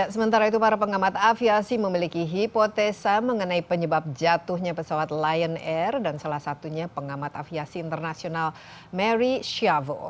sementara itu para pengamat aviasi memiliki hipotesa mengenai penyebab jatuhnya pesawat lion air dan salah satunya pengamat aviasi internasional mary shavo